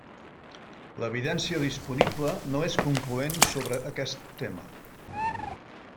L'evidència disponible no és concloent sobre aquest tema.